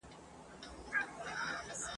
زما له شمعي سره مینه شمع زما په مینه ښکلې !.